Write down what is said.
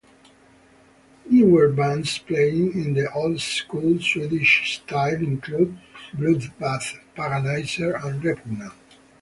Newer bands playing in the "old school" Swedish style include Bloodbath, Paganizer and Repugnant.